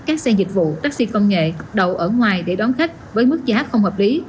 các xe dịch vụ taxi công nghệ đậu ở ngoài để đón khách với mức giá không hợp lý